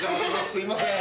すいません。